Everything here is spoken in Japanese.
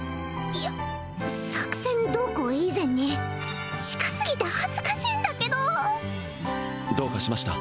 いや作戦どうこう以前に近すぎて恥ずかしいんだけどどうかしました？